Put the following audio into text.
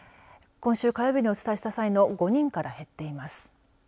今週火曜日にお伝えした際の５人から減っています。